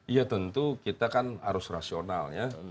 ya tentu kita kan harus rasional ya